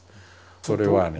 それはね